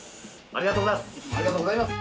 ありがとうございます。